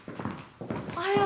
おはよう。